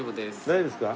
大丈夫ですか？